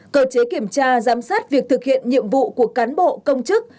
cơ chế kiểm tra giám sát việc thực hiện nhiệm vụ của cán bộ công chức